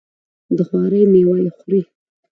د خواري میوه یې خوري.